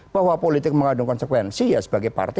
bahwa politik mengandung konsekuensi ya sebagai partai